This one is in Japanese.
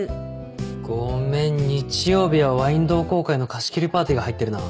ごめん日曜日はワイン同好会の貸し切りパーティーが入ってるな。